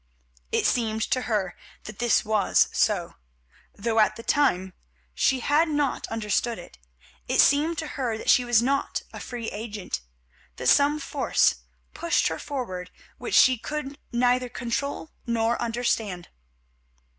It seemed to her that this was so, though at the time she had not understood it; it seemed to her that she was not a free agent; that some force pushed her forward which she could neither control nor understand.